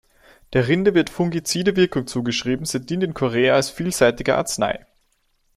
Der Rinde wird fungizide Wirkung zugeschrieben, sie dient in Korea als vielseitige Arznei.